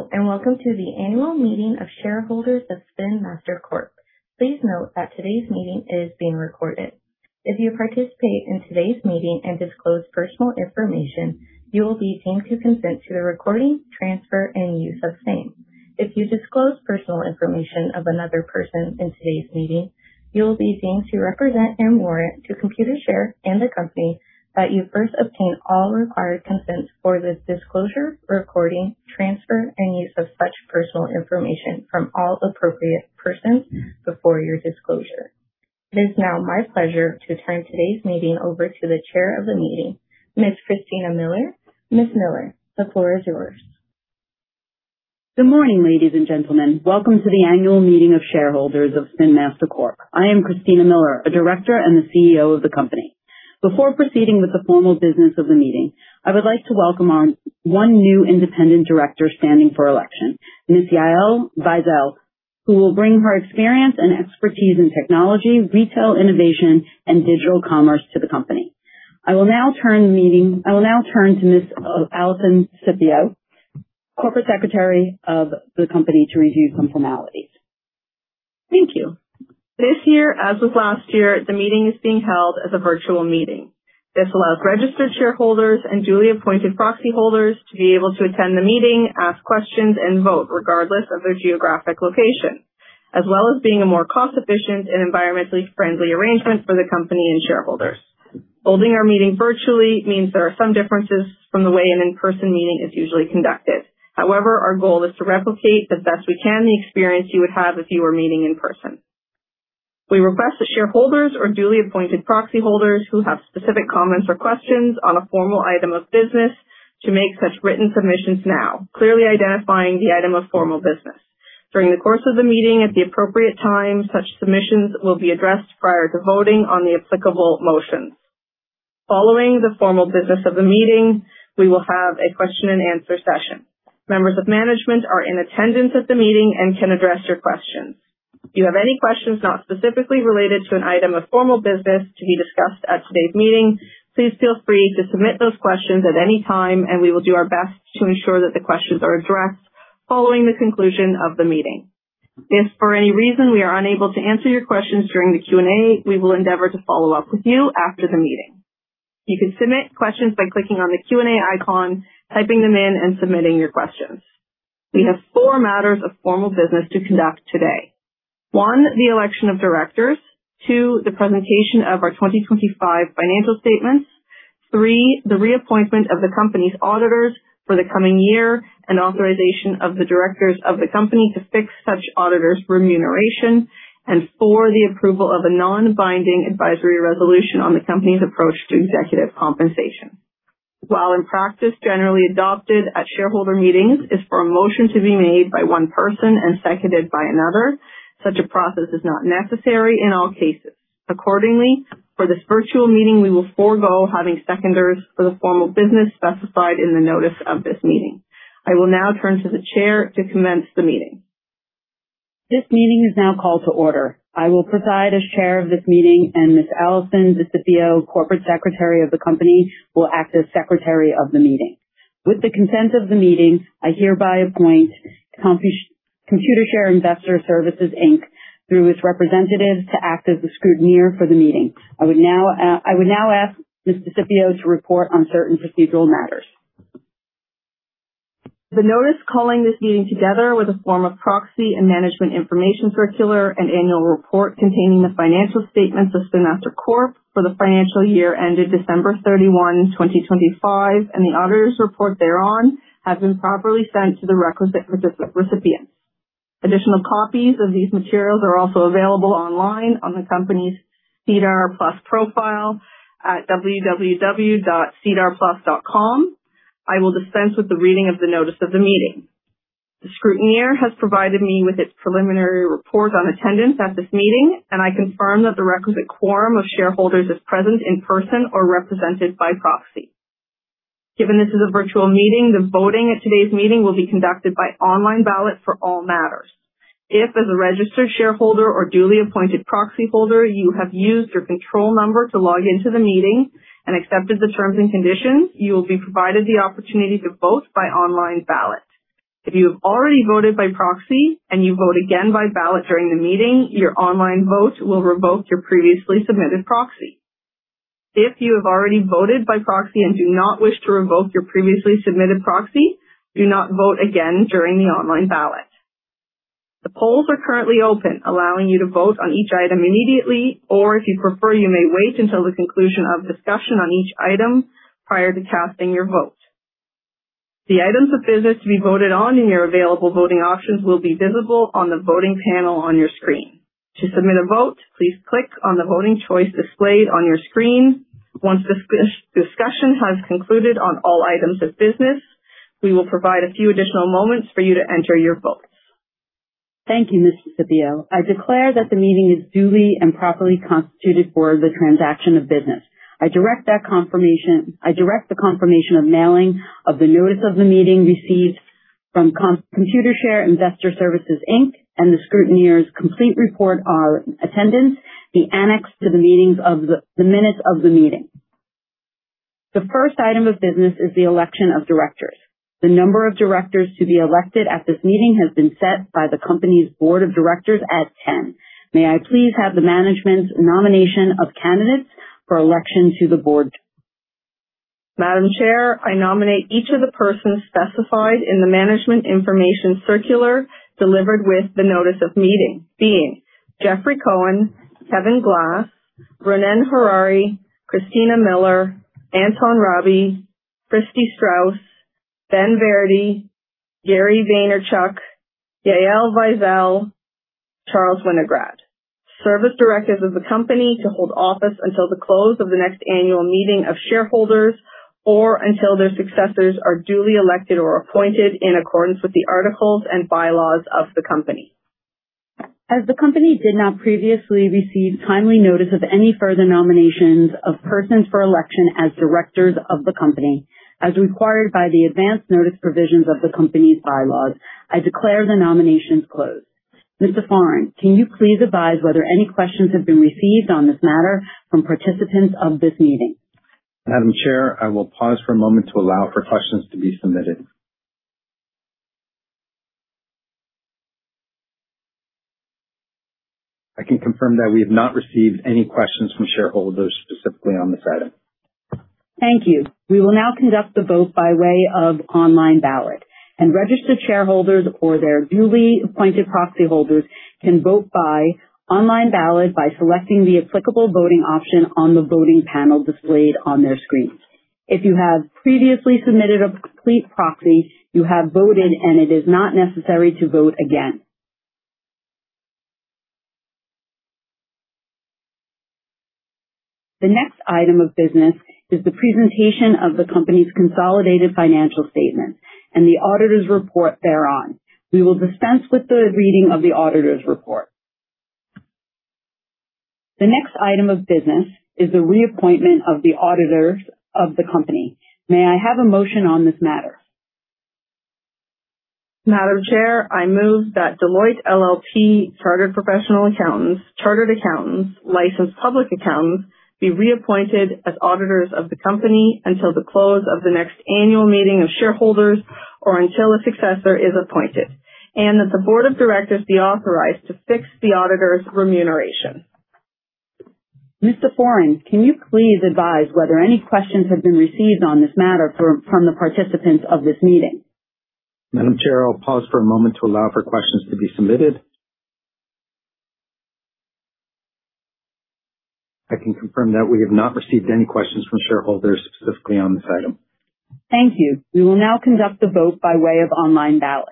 Hello, and welcome to the annual meeting of shareholders of Spin Master Corp. Please note that today's meeting is being recorded. If you participate in today's meeting and disclose personal information, you will be deemed to consent to the recording, transfer, and use of same. If you disclose personal information of another person in today's meeting, you will be deemed to represent and warrant to Computershare and the company that you first obtained all required consents for this disclosure, recording, transfer, and use of such personal information from all appropriate persons before your disclosure. It is now my pleasure to turn today's meeting over to the chair of the meeting, Ms. Christina Miller. Ms. Miller, the floor is yours. Good morning, ladies and gentlemen. Welcome to the annual meeting of shareholders of Spin Master Corp. I am Christina Miller, a Director and the CEO of the company. Before proceeding with the formal business of the meeting, I would like to welcome our one new independent Director standing for election, Ms. Yael Vizel, who will bring her experience and expertise in technology, retail innovation, and digital commerce to the company. I will now turn to Ms. Alison Desipio, Corporate Secretary of the company, to review some formalities. Thank you. This year, as with last year, the meeting is being held as a virtual meeting. This allows registered shareholders and duly appointed proxy holders to be able to attend the meeting, ask questions, and vote regardless of their geographic location, as well as being a more cost-efficient and environmentally friendly arrangement for the company and shareholders. However, holding our meeting virtually means there are some differences from the way an in-person meeting is usually conducted. Our goal is to replicate the best we can the experience you would have if you were meeting in person. We request that shareholders or duly appointed proxy holders who have specific comments or questions on a formal item of business to make such written submissions now, clearly identifying the item of formal business. During the course of the meeting at the appropriate time, such submissions will be addressed prior to voting on the applicable motions. Following the formal business of the meeting, we will have a question and answer session. Members of management are in attendance at the meeting and can address your questions. If you have any questions not specifically related to an item of formal business to be discussed at today's meeting, please feel free to submit those questions at any time, and we will do our best to ensure that the questions are addressed following the conclusion of the meeting. If for any reason we are unable to answer your questions during the Q&A, we will endeavor to follow up with you after the meeting. You can submit questions by clicking on the Q&A icon, typing them in, and submitting your questions. We have four matters of formal business to conduct today. one, the election of Directors. two, the presentation of our 2025 financial statements. three, the reappointment of the company's auditors for the coming year and authorization of the directors of the company to fix such auditors remuneration. four, the approval of a non-binding advisory resolution on the company's approach to executive compensation. While in practice generally adopted at shareholder meetings is for a motion to be made by one person and seconded by another, such a process is not necessary in all cases. Accordingly, for this virtual meeting, we will forego having seconders for the formal business specified in the notice of this meeting. I will now turn to the chair to commence the meeting. This meeting is now called to order. I will preside as Chair of this meeting, and Ms. Alison Desipio, Corporate Secretary of the company, will act as secretary of the meeting. With the consent of the meeting, I hereby appoint Computershare Investor Services Inc., through its representative, to act as the scrutineer for the meeting. I would now ask Ms. Desipio to report on certain procedural matters. The notice calling this meeting together with a form of proxy and management information circular and annual report containing the financial statements of Spin Master Corp. for the financial year ended December 31, 2025, and the auditor's report thereon have been properly sent to the requisite recipients. Additional copies of these materials are also available online on the company's SEDAR+ profile at www.sedarplus.com. I will dispense with the reading of the notice of the meeting. The scrutineer has provided me with its preliminary report on attendance at this meeting, and I confirm that the requisite quorum of shareholders is present in person or represented by proxy. Given this is a virtual meeting, the voting at today's meeting will be conducted by online ballot for all matters. If, as a registered shareholder or duly appointed proxy holder, you have used your control number to log into the meeting and accepted the terms and conditions, you will be provided the opportunity to vote by online ballot. If you have already voted by proxy and you vote again by ballot during the meeting, your online vote will revoke your previously submitted proxy. If you have already voted by proxy and do not wish to revoke your previously submitted proxy, do not vote again during the online ballot. The polls are currently open, allowing you to vote on each item immediately, or if you prefer, you may wait until the conclusion of discussion on each item prior to casting your vote. The items of business to be voted on in your available voting options will be visible on the voting panel on your screen. To submit a vote, please click on the voting choice displayed on your screen. Once discussion has concluded on all items of business, we will provide a few additional moments for you to enter your votes. Thank you, Ms. Desipio. I declare that the meeting is duly and properly constituted for the transaction of business. I direct the confirmation of mailing of the notice of the meeting received from Computershare Investor Services Inc. and the scrutineer's complete report of attendance be annexed to the minutes of the meeting. The first item of business is the election of directors. The number of directors to be elected at this meeting has been set by the company's Board of Directors at 10. May I please have the management's nomination of candidates for election to the board? Madam Chair, I nominate each of the persons specified in the management information circular delivered with the notice of meeting, being Jeffrey Cohen, Kevin Glass, Ronnen Harary, Christina Miller, Anton Rabie, Christi Strauss, Ben Varadi, Gary Vaynerchuk, Yael Vizel, Charles Winograd. Service directors of the company to hold office until the close of the next annual meeting of shareholders, or until their successors are duly elected or appointed in accordance with the articles and bylaws of the company. As the company did not previously receive timely notice of any further nominations of persons for election as directors of the company, as required by the advance notice provisions of the company's bylaws, I declare the nominations closed. Tim Foran, can you please advise whether any questions have been received on this matter from participants of this meeting? Madam Chair, I will pause for a moment to allow for questions to be submitted. I can confirm that we have not received any questions from shareholders specifically on this item. Thank you. We will now conduct the vote by way of online ballot, and registered shareholders or their duly appointed proxy holders can vote by online ballot by selecting the applicable voting option on the voting panel displayed on their screens. If you have previously submitted a complete proxy, you have voted and it is not necessary to vote again. The next item of business is the presentation of the company's consolidated financial statement and the auditor's report thereon. We will dispense with the reading of the auditor's report. The next item of business is the reappointment of the auditors of the company. May I have a motion on this matter? Madam Chair, I move that Deloitte LLP, chartered professional accountants, chartered accountants, licensed public accountants, be reappointed as auditors of the company until the close of the next annual meeting of shareholders or until a successor is appointed, and that the Board of Directors be authorized to fix the auditor's remuneration. Tim Foran, can you please advise whether any questions have been received on this matter from the participants of this meeting? Madam Chair, I'll pause for a moment to allow for questions to be submitted. I can confirm that we have not received any questions from shareholders specifically on this item. Thank you. We will now conduct the vote by way of online ballot.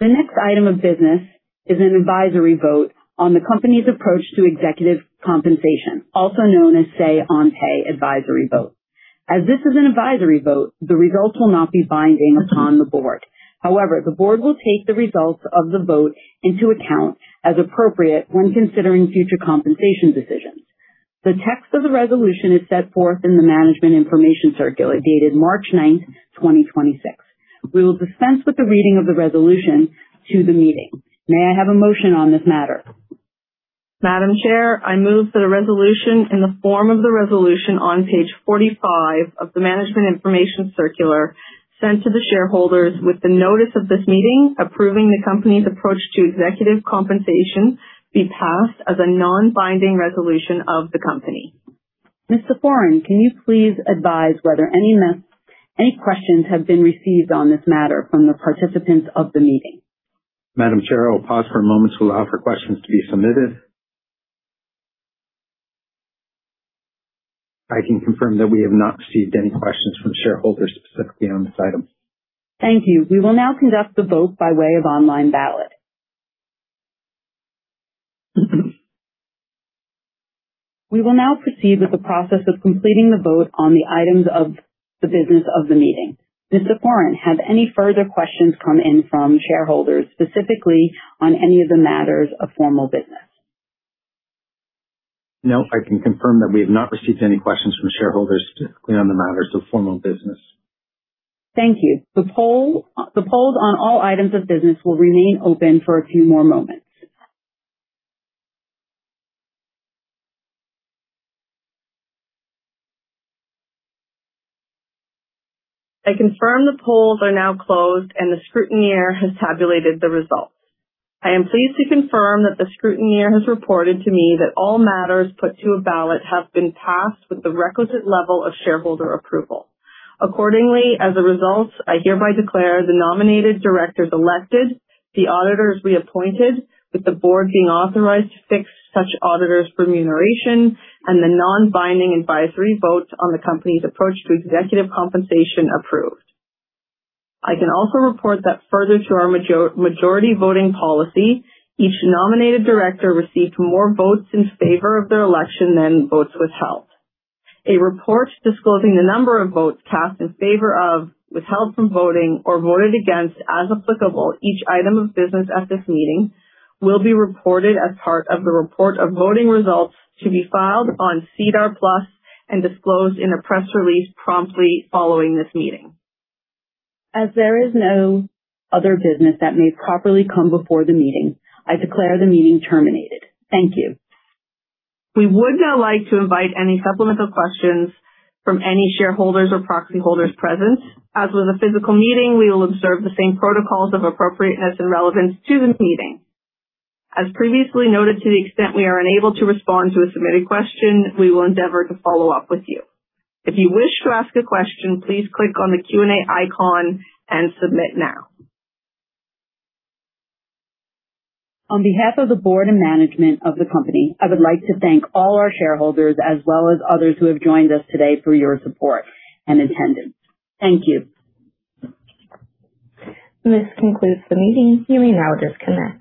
The next item of business is an advisory vote on the company's approach to executive compensation, also known as say on pay advisory vote. As this is an advisory vote, the results will not be binding upon the board. However, the board will take the results of the vote into account as appropriate when considering future compensation decisions. The text of the resolution is set forth in the management information circular dated March 9th, 2026. We will dispense with the reading of the resolution to the meeting. May I have a motion on this matter? Madam Chair, I move that a resolution in the form of the resolution on page 45 of the management information circular sent to the shareholders with the notice of this meeting approving the company's approach to executive compensation be passed as a non-binding resolution of the company. Tim Foran, can you please advise whether any questions have been received on this matter from the participants of the meeting? Madam Chair, I will pause for a moment to allow for questions to be submitted. I can confirm that we have not received any questions from shareholders specifically on this item. Thank you. We will now conduct the vote by way of online ballot. We will now proceed with the process of completing the vote on the items of the business of the meeting. Mr. Foran, have any further questions come in from shareholders, specifically on any of the matters of formal business? No, I can confirm that we have not received any questions from shareholders specifically on the matters of formal business. Thank you. The polls on all items of business will remain open for a few more moments. I confirm the polls are now closed and the scrutineer has tabulated the results. I am pleased to confirm that the scrutineer has reported to me that all matters put to a ballot have been passed with the requisite level of shareholder approval. Accordingly, as a result, I hereby declare the nominated directors elected, the auditors reappointed, with the board being authorized to fix such auditors' remuneration, and the non-binding advisory votes on the company's approach to executive compensation approved. I can also report that further to our majority voting policy, each nominated director received more votes in favor of their election than votes withheld. A report disclosing the number of votes cast in favor of, withheld from voting, or voted against, as applicable, each item of business at this meeting will be reported as part of the report of voting results to be filed on SEDAR+ and disclosed in a press release promptly following this meeting. As there is no other business that may properly come before the meeting, I declare the meeting terminated. Thank you. We would now like to invite any supplemental questions from any shareholders or proxy holders present. As with a physical meeting, we will observe the same protocols of appropriateness and relevance to this meeting. As previously noted, to the extent we are unable to respond to a submitted question, we will endeavor to follow-up with you. If you wish to ask a question, please click on the Q&A icon and submit now. On behalf of the board and management of the company, I would like to thank all our shareholders as well as others who have joined us today for your support and attendance. Thank you. This concludes the meeting. You may now disconnect.